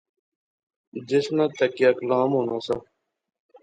جس نا تکیہ کلام ہونا سا